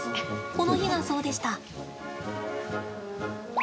この日がそうでした。